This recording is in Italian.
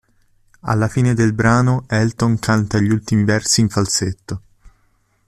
Alla fine del brano Elton canta gli ultimi versi in falsetto.